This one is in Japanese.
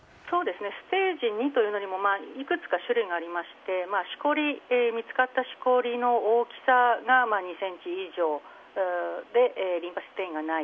ステージ２というものにもいくつか種類がありまして見つかったしこりの大きさが２ｃｍ以上でリンパ節に転移がない。